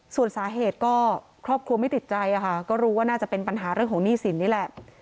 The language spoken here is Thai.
ส่วนสาเหตุก็ครอบครัวไม่ติดใจค่ะก็รู้ว่าน่าจะเป็นปัญหาเรื่องของหนี้สินนี่แหละ